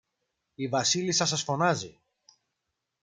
η Βασίλισσα σας φωνάζει.